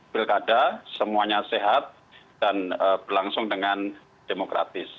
pilkada semuanya sehat dan berlangsung dengan demokratis